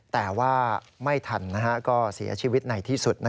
แต่ว่าไม่ทันก็เสียชีวิตในที่สุด